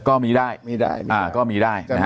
ก็มีได้